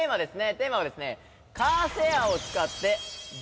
テーマはですね。